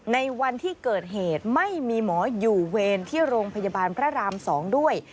ในวันที่เกิดเหตุไม่มีหมออยู่เวรที่โรงพยาบาลพระราม๒ด้วย